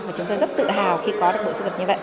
và chúng tôi rất tự hào khi có được bộ siêu tập như vậy